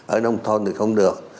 ở nông thôn thì không được